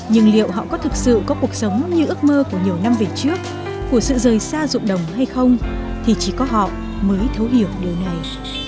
nhưng liệu họ có thực sự có cuộc sống như ước mơ của nhiều năm về trước của sự rời xa rụng đồng hay không thì chỉ có họ mới thấu hiểu điều này